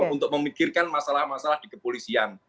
untuk memikirkan masalah masalah di kepolisian